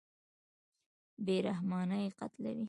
بېرحمانه یې قتلوي.